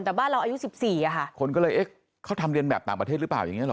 แต่บ้านเราอายุสิบสี่อ่ะค่ะคนก็เลยเอ๊ะเขาทำเรียนแบบต่างประเทศหรือเปล่าอย่างเงี้เหรอ